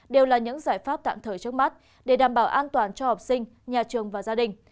đều là những giải pháp tạm thời trước mắt để đảm bảo an toàn cho học sinh nhà trường và gia đình